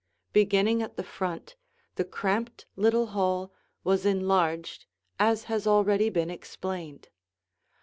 Beginning at the front, the cramped little hall was enlarged as has already been explained.